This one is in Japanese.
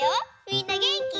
みんなげんき？